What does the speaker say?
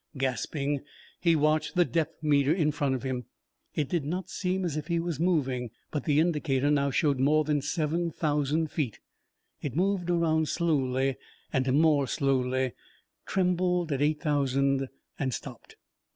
Gasping, he watched the depth meter in front of him. It did not seem as if he was moving, but the indicator now showed more than seven thousand feet. It moved around slowly and more slowly; trembled at eight thousand and stopped.